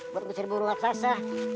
buat berusir burung aksasa